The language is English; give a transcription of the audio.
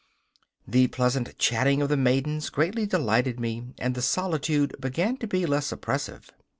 The pleasant chatting of the maidens greatly delighted me, and the solitude began to be less oppressive.